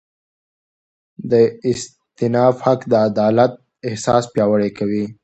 د استیناف حق د عدالت احساس پیاوړی کوي.